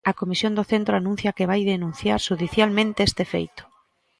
A Comisión de Centro anuncia que vai denunciar xudicialmente este feito.